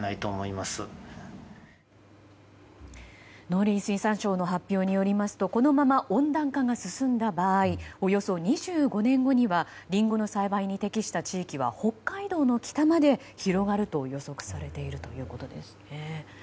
農林水産省の発表によりますとこのまま温暖化が進んだ場合およそ２５年後にはリンゴの栽培に適した地域は北海道の北まで広がると予測されているということです。